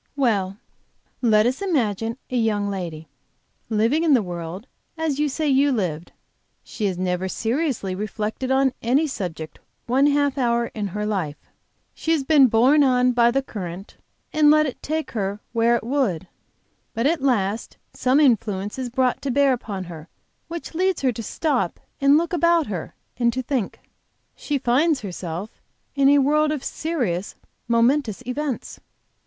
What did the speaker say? "Well, let us imagine a young lady, living in the world as you say you lived. She has never seriously reflected on any subject one half hour in her life. She has been borne on by the current and let it take her where it would. But at last some influence is brought to bear upon her which leads her to stop to look about her and to think. She finds herself in a world of serious, momentous events.